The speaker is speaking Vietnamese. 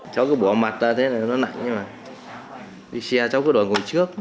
cháu cứ bỏ mặt ra thế là nó lạnh nhưng mà đi xe cháu cứ đổi ngồi trước